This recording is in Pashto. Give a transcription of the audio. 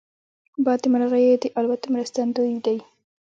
باد د مرغیو د الوت مرستندوی دی